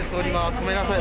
ごめんなさい。